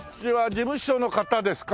事務所の方ですか？